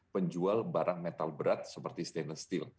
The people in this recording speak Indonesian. penjual barang metal berat seperti stainless steel